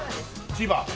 千葉。